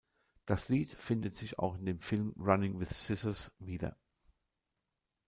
Das Lied findet sich auch in dem Film "Running with Scissors" wieder.